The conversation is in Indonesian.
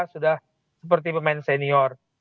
sudah seperti pemain senior